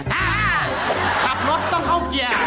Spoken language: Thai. อ๊ะกลับรถต้องเข้าเคีย